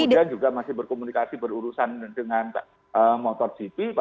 dan kemudian juga masih berkomunikasi berurusan dengan pak motor cp